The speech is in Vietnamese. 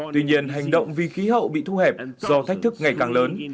tuy nhiên hành động vì khí hậu bị thu hẹp do thách thức ngày càng lớn